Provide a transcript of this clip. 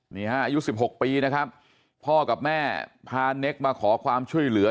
นี่ฮะอายุ๑๖ปีนะครับพ่อกับแม่พาเน็กมาขอความช่วยเหลือ